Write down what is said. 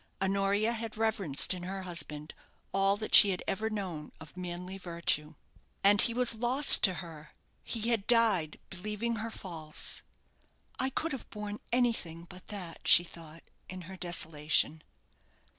Honoria had reverenced in her husband all that she had ever known of manly virtue. And he was lost to her! He had died believing her false. "I could have borne anything but that," she thought, in her desolation.